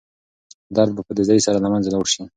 درد به په تېزۍ سره له منځه لاړ شي.